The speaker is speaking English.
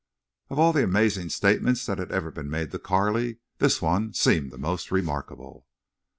Of all the amazing statements that had ever been made to Carley, this one seemed the most remarkable.